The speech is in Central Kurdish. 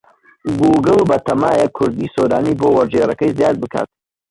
گووگڵ بەتەمایە کوردیی سۆرانی بۆ وەرگێڕەکەی زیاد بکات.